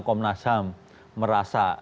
komnas ham merasa